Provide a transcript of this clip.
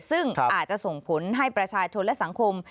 ซึ่งอาจจะส่งผลให้ประชาชนและสังคม